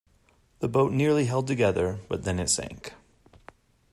The boat nearly held together, but then it sank.